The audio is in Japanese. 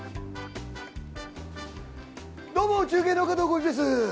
どうも、中継の加藤浩次です！